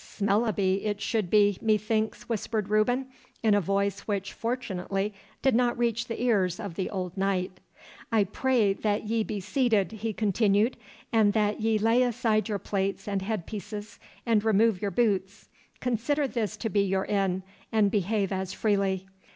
'Smellaby it should be, methinks,' whispered Reuben, in a voice which fortunately did not reach the ears of the old knight. 'I pray that ye be seated,' he continued, 'and that ye lay aside your plates and headpieces, and remove your boots. Consider this to be your inn, and behave as freely.